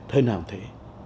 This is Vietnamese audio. thời nào cũng thế